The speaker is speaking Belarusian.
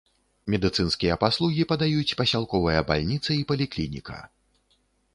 Медыцынскія паслугі падаюць пасялковая бальніца і паліклініка.